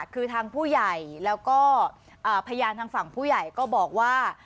คือทางผู้ใหญ่แล้วก็พยานทางฝั่งผู้ใหญ่ก็บอกว่า